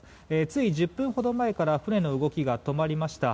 つい１０分ほど前から船の動きが止まりました。